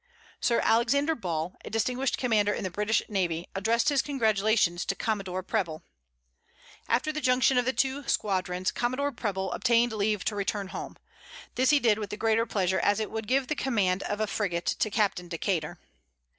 Sir Alexander Ball, a distinguished commander in the British navy, addressed his congratulations to Commodore Preble. After the junction of the two squadrons, Commodore Preble obtained leave to return home. This he did with the greater pleasure, as it would give the command of a frigate to Captain Decater.